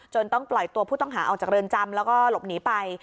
ต้องปล่อยตัวผู้ต้องหาออกจากเรือนจำแล้วก็หลบหนีไป